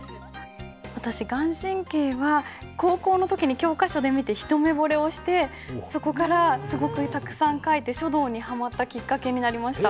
私顔真は高校の時に教科書で見て一目ぼれをしてそこからすごくたくさん書いて書道にはまったきっかけになりました。